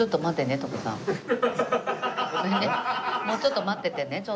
もうちょっと待っててね。